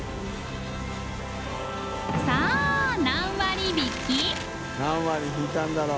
磴気何割引き？審引いたんだろう？